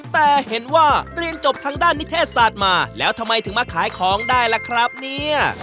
แต่เห็นว่าเรียนจบทางด้านนิเทศศาสตร์มาแล้วทำไมถึงมาขายของได้ล่ะครับเนี่ย